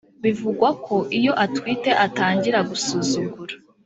bivugwa ko iyo atwite atangira gusuzugura